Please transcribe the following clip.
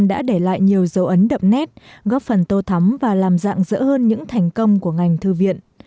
đã để lại nhiều dấu ấn đậm nét góp phần tô thắm và làm dạng dỡ hơn những thành công của ngành thư viện